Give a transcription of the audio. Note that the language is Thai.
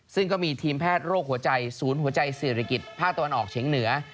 ซึ่งก็มีทีมแพทย์โรคหัวใจศูนย์หัวใจเศรษฐกิจภาคตะวันออกเฉียงเหนือ